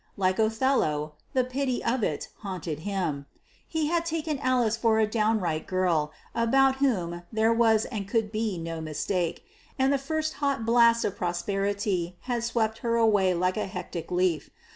Like Othello, "the pity of it" haunted him: he had taken Alice for a downright girl, about whom there was and could be no mistake; and the first hot blast of prosperity had swept her away like a hectic leaf.